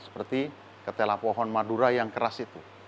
seperti ketela pohon madura yang keras itu